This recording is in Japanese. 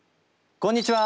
こんにちは。